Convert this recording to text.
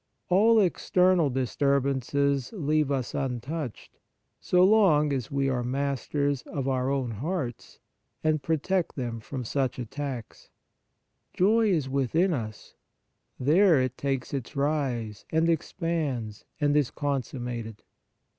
All external disturbances leave us un touched so long as we are masters of our own hearts and protect them from such attacks. Joy is within us : there it takes its rise, and expands, and is consum mated.